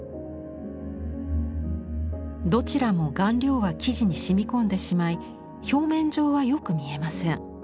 どちらも顔料は生地に染み込んでしまい表面上はよく見えません。